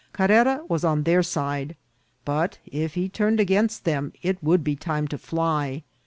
Carrera was on their side ; but if he turned against them it would be time to fly.